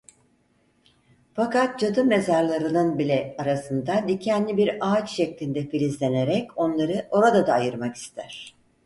Fakat cadı mezarlarının bile arasında dikenli bir ağaç şeklinde filizlenerek onları orada da ayırmak ister.